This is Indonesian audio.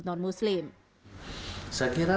tentang boleh atau tidaknya menggunakan atribut